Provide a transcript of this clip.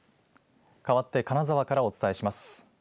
かわって金沢からお伝えします。